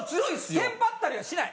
テンパったりはしない？